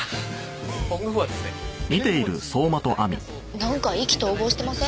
なんか意気投合してません？